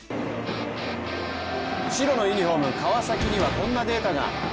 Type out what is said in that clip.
白のユニフォーム川崎には、こんなデータが。